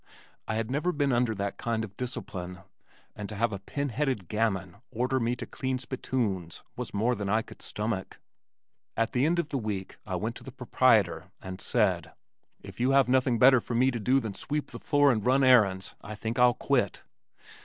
I had never been under that kind of discipline, and to have a pin headed gamin order me to clean spittoons was more than I could stomach. At the end of the week I went to the proprietor, and said, "If you have nothing better for me to do than sweep the floor and run errands, I think I'll quit."